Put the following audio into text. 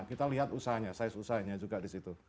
kita lihat usahanya size usahanya juga disitu